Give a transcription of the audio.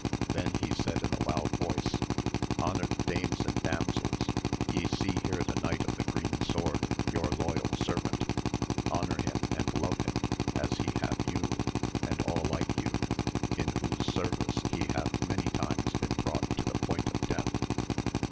Then said he in a loud voice, Honoured dames and damsels, ye see here the Knight of the Green Sword your loyal servant ! honour him and love him, as he hath yQu and all like you, in whose service he hath many times been brought to the point of death.